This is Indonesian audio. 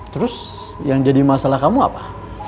terus yang jadi masalah kamu apa